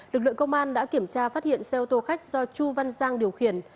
lực lượng công an đã kiểm tra phát hiện xe ô tô khách do chu văn giang điều khiển